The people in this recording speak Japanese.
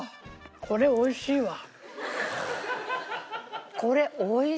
これ美味しいわ。